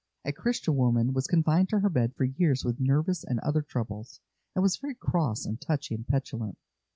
A Christian woman was confined to her bed for years with nervous and other troubles, and was very cross and touchy and petulant.